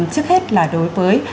trước hết là đối với